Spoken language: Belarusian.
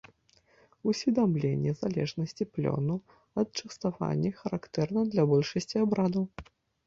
Усведамленне залежнасці плёну ад частавання характэрна для большасці абрадаў.